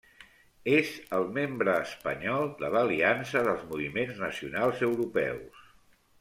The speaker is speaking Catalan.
És el membre espanyol de l'Aliança dels Moviments Nacionals Europeus.